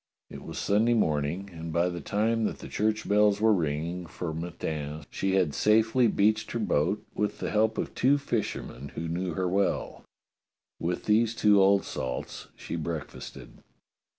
It was Sunday morning, and by the time that the church bells were ring ing for matins she had safely beached her boat with the help of two fishermen who knew her well. With these two old salts she breakfasted.